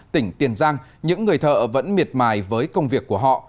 tỉnh tiền giang những người thợ vẫn miệt mài với công việc của họ